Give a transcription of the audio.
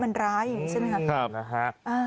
มันร้ายอย่างนี้ใช่ไหมครับนะฮะ